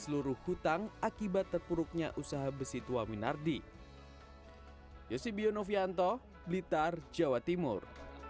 seluruh hutang akibat terpuruknya usaha besi tua winardi yosibio novianto blitar jawa timur